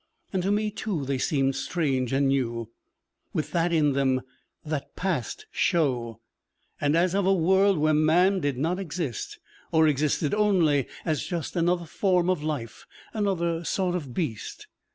And to me, too, they seemed strange and new with that in them 'that passed show,' and as of a world where man did not exist, or existed only as just another form of life, another sort of beast.